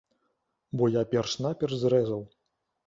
Бо я перш-наперш зрэзаў.